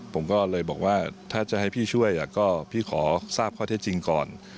ผมก็เลยบอกว่าถ้าจะให้พี่ช่วยก็พี่ขอทราบข้อเท็จจริงก่อน